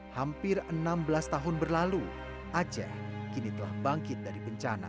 hampir enam belas tahun berlalu aceh kini telah bangkit dari bencana